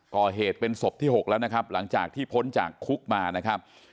ก่อเหตุเป็นศพที่๖แล้วนะครับหลังจากที่พ้นจากคุกมานะครับ